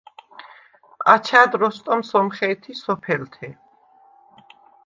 აჩა̈დ როსტომ სომხე̄თი სოფელთე.